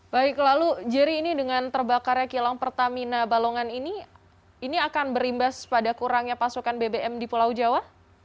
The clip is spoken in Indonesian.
baik lalu jerry ini dengan terbakarnya kilang pertamina balongan ini ini akan berimbas pada kurangnya pasokan bbm di pulau jawa